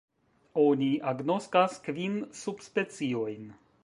Oni agnoskas kvin subspeciojn.